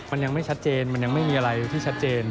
มันยังไม่ชัดเจนมันยังไม่มีอะไรที่ชัดเจน